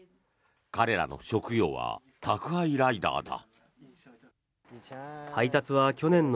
彼らの職業は宅配ライダーだ。